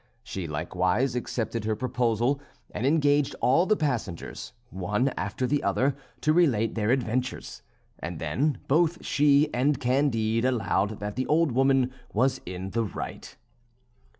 She likewise accepted her proposal, and engaged all the passengers, one after the other, to relate their adventures; and then both she and Candide allowed that the old woman was in the right.